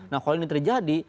nah kalau ini terjadi